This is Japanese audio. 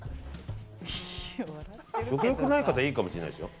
食欲ない方いいかもしれないですよ。